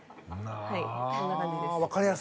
はいそんな感じです。